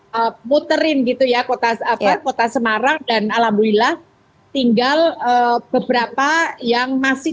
hai puterin gitu ya kota kota semarang dan alhamdulillah tinggal beberapa yang masih